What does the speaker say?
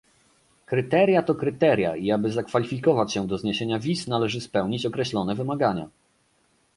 Kryteria to kryteria, i aby zakwalifikować się do zniesienia wiz, należy spełnić określone wymagania